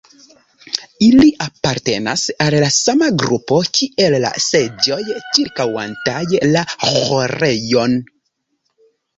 Ili apartenas al la sama grupo kiel la seĝoj ĉirkaŭantaj la ĥorejon.